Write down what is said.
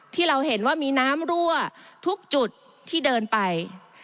ที่เราเห็นว่ามีน้ำรั่วทุกจุดที่เดินไป